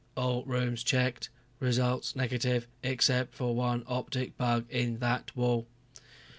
"All rooms checked. Results negative except for one optic bug in that wall."